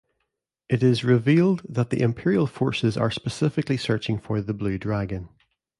It is revealed that the Imperial forces are specifically searching for the blue dragon.